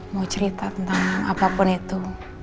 mau cerita tentang apapun itu